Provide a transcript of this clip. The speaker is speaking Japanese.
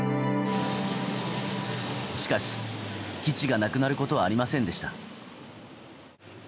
しかし、基地がなくなることはありませんでした。